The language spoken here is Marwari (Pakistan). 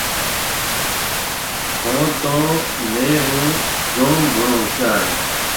ٿُون تو ميه هون جوم گھڻو هوشيار هيَ۔